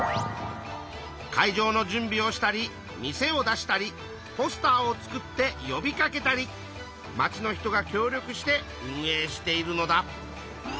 会場の準備をしたり店を出したりポスターを作ってよびかけたりまちの人が協力して運営しているのだ。